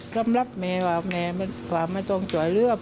สำหรับแมว่าแมว่าไม่ต้องเจ๋อเรื่อง